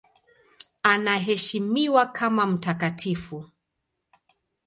Anaheshimiwa kama mtakatifu.